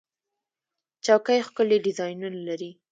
چوکۍ ښکلي ډیزاینونه لري.